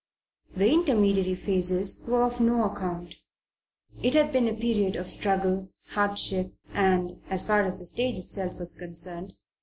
The intermediary phases were of no account. It had been a period of struggle, hardship and, as far as the stage itself was concerned, disillusion.